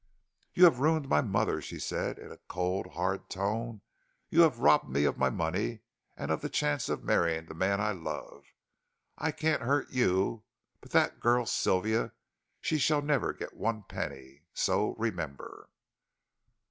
"You have ruined my mother," she said in a cold, hard tone; "you have robbed me of my money and of the chance of marrying the man I love. I can't hurt you; but that girl, Sylvia she shall never get one penny so, remember!"